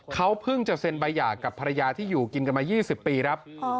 เขาเพิ่งจะเซ็นใบหย่ากับภรรยาที่อยู่กินกันมา๒๐ปีครับ